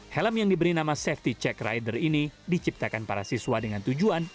helm yang diberi nama safety check rider ini diciptakan para siswa dengan tujuan